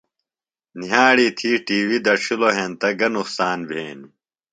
نِھیاڑی تھی ٹی وی دڇھِلو ہینتہ گہ نقصان بھینیۡ؟